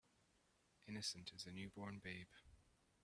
Innocent as a new born babe.